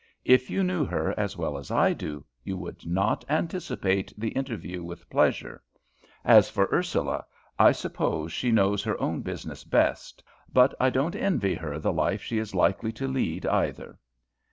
If you knew her as well as I do, you would not anticipate the interview with pleasure. As for Ursula, I suppose she knows her own business best, but I don't envy her the life she is likely to lead either."